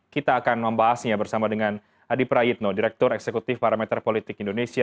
kita akan membahasnya bersama dengan adi prayitno direktur eksekutif parameter politik indonesia